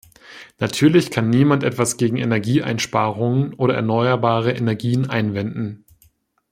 Natürlich kann niemand etwas gegen Energieeinsparungen oder erneuerbare Energien einwenden.